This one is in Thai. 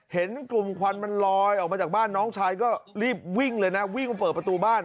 เห็นกลุ่มควันมันลอยออกมาจากบ้านน้องชายก็รีบวิ่งเลยนะวิ่งมาเปิดประตูบ้าน